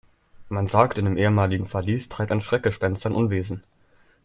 Man sagt, in dem ehemaligen Verlies treibt ein Schreckgespenst sein Unwesen.